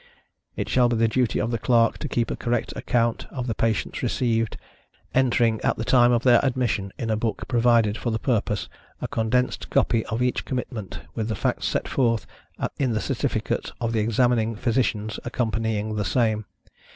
It shall be the duty of the Clerk to keep a correct account of the patients receivedâ€"entering, at the time of their admission, in a book provided for the purpose, a condensed copy of each commitment, with the facts set forth in the certificate of the examining physicians accompanying the same.